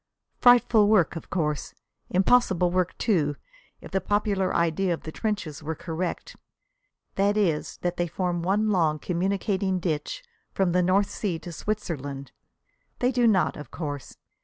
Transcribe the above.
Frightful work, of course. Impossible work, too, if the popular idea of the trenches were correct that is, that they form one long, communicating ditch from the North Sea to Switzerland! They do not, of course.